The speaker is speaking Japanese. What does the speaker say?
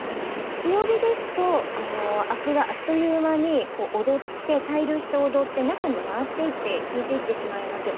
強火ですとアクがあっという間にこう躍って対流して躍って中に回っていって消えていってしまいます。